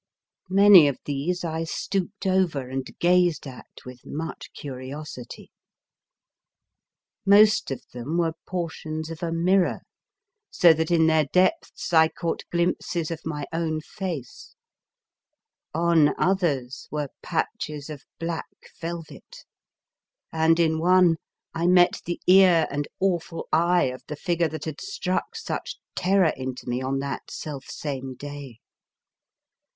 Many of these I stooped over and gazed at with much curiosity. Most of them were portions of a mirror, so that in their depths I caught glimpses of my own face; on others were patches of black velvet ; and in one I met the ear and awful eye of the figure that had struck such terror into me on that self same day.